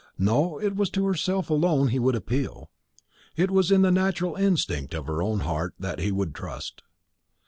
No, it was to herself alone he would appeal; it was in the natural instinct of her own heart that he would trust.